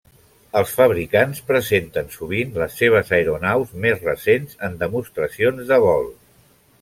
Els fabricants presenten sovint les seves aeronaus més recents en demostracions de vol.